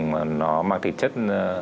mà nó mang thịt chất